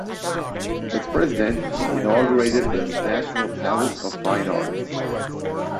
As president, he inaugurated the National Palace of Fine Arts.